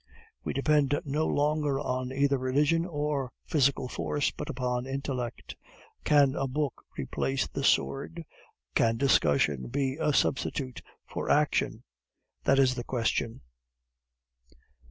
We depend no longer on either religion or physical force, but upon intellect. Can a book replace the sword? Can discussion be a substitute for action? That is the question."